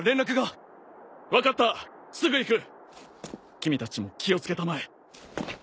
君たちも気を付けたまえ。